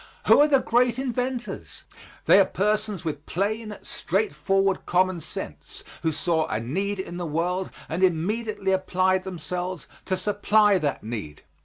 Who are the great inventors? They are persons with plain, straightforward common sense, who saw a need in the world and immediately applied themselves to supply that need.